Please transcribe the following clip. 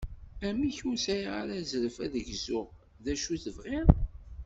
Amek! Ur sɛiɣ ara azref ad gzuɣ d acu tebɣiḍ?